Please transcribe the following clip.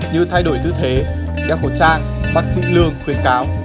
như thay đổi thư thế đeo khẩu trang bác sĩ lương khuyên cáo